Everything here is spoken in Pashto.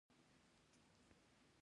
د هاکینګ وړانګوټې تور سوري تبخیر کوي.